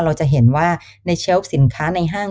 เราจะเห็นว่าในเชลล์สินค้าในห้าง